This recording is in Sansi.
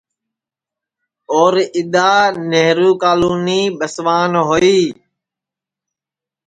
اور اِدؔا نیہرو کالونی ٻسیوان ہوئی